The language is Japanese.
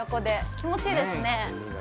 気持ちいいですね。